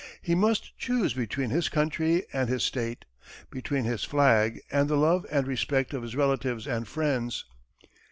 He must choose between his country and his state; between his flag and the love and respect of his relatives and friends.